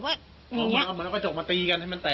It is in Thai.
เหมือนกระจกมาตีกันให้มันแตก